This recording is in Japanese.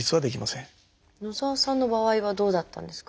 野澤さんの場合はどうだったんですか？